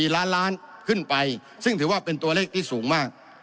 ล้านล้านขึ้นไปซึ่งถือว่าเป็นตัวเลขที่สูงมาก